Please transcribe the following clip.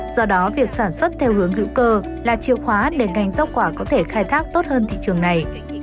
do đó việc sản xuất theo hướng hữu cơ là chìa khóa để ngành rau quả có thể khai thác tốt hơn thị trường này